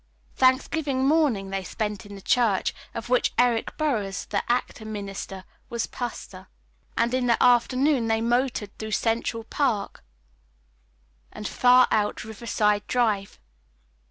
Thanksgiving morning they spent in the church of which Eric Burroughs the actor minister was pastor, and in the afternoon they motored through Central Park and far out Riverside Drive.